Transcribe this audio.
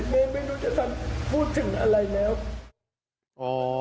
ไม่รู้จะพูดถึงอะไรแล้ว